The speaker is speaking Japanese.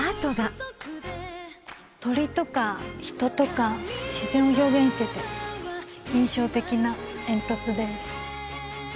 鳥とか人とか自然を表現してて印象的な煙突です。